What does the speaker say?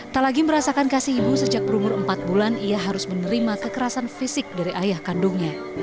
tak lagi merasakan kasih ibu sejak berumur empat bulan ia harus menerima kekerasan fisik dari ayah kandungnya